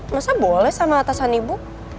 masa boleh sama atasan ibu